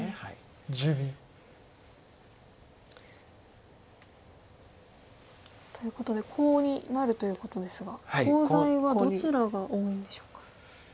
１０秒。ということでコウになるということですがコウ材はどちらが多いんでしょうか？